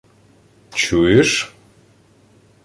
— Чуєш?..